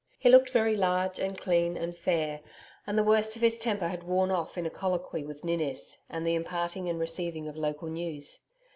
He looked very large and clean and fair, and the worst of his temper had worn off in a colloquy with Ninnis, and the imparting and receiving of local news.